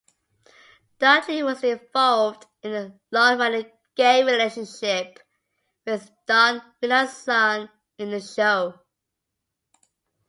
Dudley was involved in a long-running gay relationship with Don Finlayson in the show.